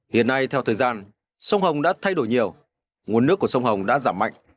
hiện nay theo thời gian sông hồng đã thay đổi nhiều nguồn nước của sông hồng đã giảm mạnh